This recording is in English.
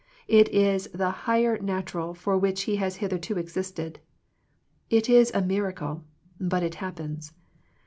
It is the higher nat ural for which he has hitherto existed. It is a miracle, but it happens.